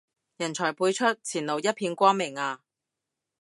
人才輩出，前路一片光明啊